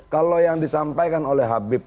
kalau yang disampaikan oleh habib